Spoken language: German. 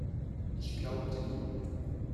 Ich glaubte ihm.